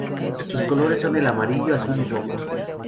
Sus colores son el amarillo, azul y rojo.